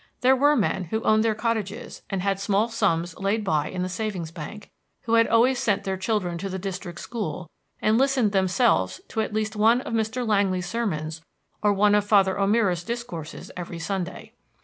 There were men who owned their cottages and had small sums laid by in the savings bank; who had always sent their children to the district school, and listened themselves to at least one of Mr. Langly's sermons or one of Father O'Meara's discourses every Sunday.